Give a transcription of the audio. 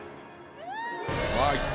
わあいった。